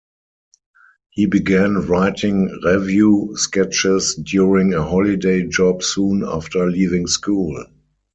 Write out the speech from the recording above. He began writing revue sketches during a holiday job soon after leaving school.